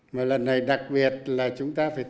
mà lần này đặc biệt là chúng ta phải tham gia